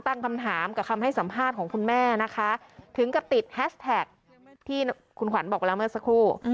ตั้งคำถามกับคำให้สัมภาษณ์ของคุณแม่นะคะถึงกับติดแฮชแท็กที่คุณขวัญบอกไปแล้วเมื่อสักครู่